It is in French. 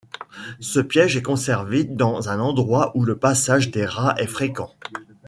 Ce piège est conservé dans un endroit où le passage des rats est fréquent.